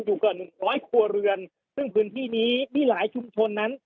กว่าหนึ่งร้อยครัวเรือนซึ่งพื้นที่นี้มีหลายชุมชนนั้น